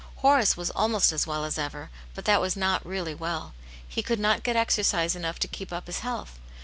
Horace was almost as well as ever, but that was not really well. He could not get exercise enough to keep up his health.